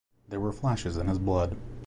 There were flashes in his blood.